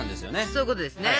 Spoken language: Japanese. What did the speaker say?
そういうことですね。